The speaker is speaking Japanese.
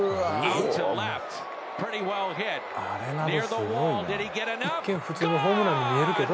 一見普通のホームランに見えるけど。